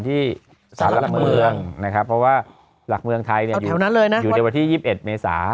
ที่สหรับเมืองนะครับเพราะว่าหลักเมืองไทยเนี่ยอยู่ที่๒๑เมษา